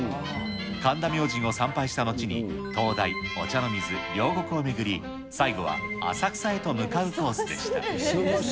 神田明神を参拝したのちに、東大、お茶の水、両国を巡り、最後は浅草へと向かうコースでした。